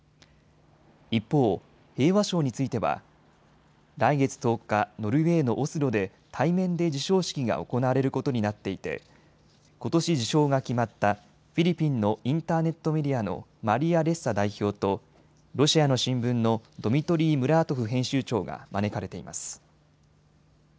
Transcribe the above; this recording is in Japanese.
一方、平和賞については来月１０日、ノルウェーのオスロで対面で授賞式が行われることになっていてことし受賞が決まったフィリピンのインターネットメディアのマリア・レッサ代表とロシアの新聞のドミトリー・ムラートフ編集長が招かれています。